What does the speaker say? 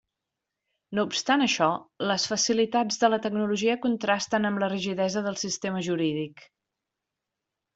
No obstant això, les facilitats de la tecnologia contrasten amb la rigidesa del sistema jurídic.